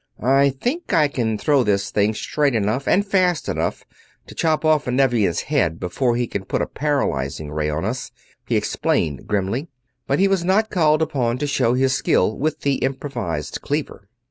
"I think I can throw this thing straight enough and fast enough to chop off a Nevian's head before he can put a paralyzing ray on us," he explained grimly, but he was not called upon to show his skill with the improvised cleaver.